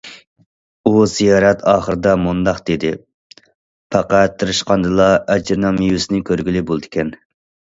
ئۇ زىيارەت ئاخىرىدا مۇنداق دېدى: پەقەت تىرىشقاندىلا ئەجىرنىڭ مېۋىسىنى كۆرگىلى بولىدىكەن.